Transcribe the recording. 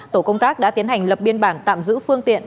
tổ công tác đã tiến hành lập biên bản tạm giữ phương tiện